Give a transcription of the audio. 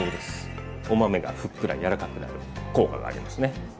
お豆がふっくら柔らかくなる効果がありますね。